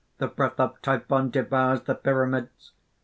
The breath of Typhon devours the pyramids.